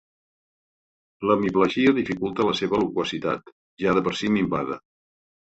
L'hemiplegia dificulta la seva loquacitat, ja de per si minvada.